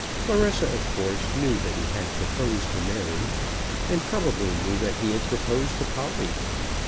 Clarissa, of course, knew that he had proposed to Mary, and probably knew that he had proposed to Polly.